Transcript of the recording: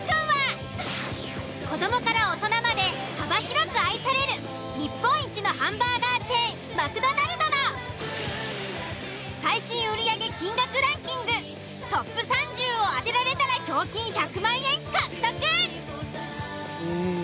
［子供から大人まで幅広く愛される日本一のハンバーガーチェーンマクドナルドの最新売上金額ランキングトップ３０を当てられたら賞金１００万円獲得！］